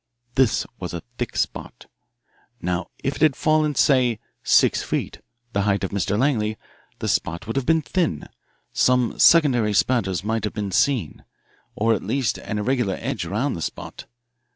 This was a thick spot. Now if it had fallen, say, six feet, the height of Mr. Langley, the spot would have been thin some secondary spatters might have been seen, or at least an irregular edge around the spot.